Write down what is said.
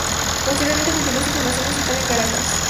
Posteriormente continuó su formación musical en Caracas.